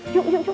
yuk yuk yuk